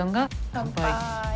乾杯。